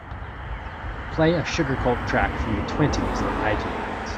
Play a Sugarcult track from the twenties on Itunes